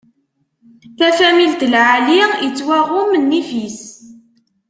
Tafamilt lɛali, ittwaɣumm nnif-is.